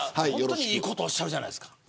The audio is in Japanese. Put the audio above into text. いいことおっしゃるじゃないですか。